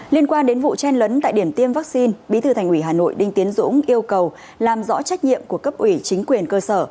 liên quan đến vụ chen lấn tại điểm tiêm vaccine bí thư thành ủy hà nội đinh tiến dũng yêu cầu làm rõ trách nhiệm của cấp ủy chính quyền cơ sở